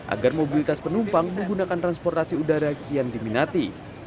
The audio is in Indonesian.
agar mobilitas penumpang menggunakan transportasi udara kian diminati